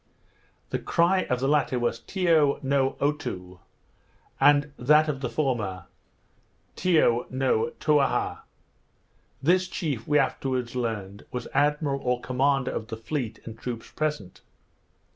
The cry of the latter was Tiyo no Otoo, and that of the former Tiyo no Towha. This chief, we afterwards learnt, was admiral or commander of the fleet and troops present.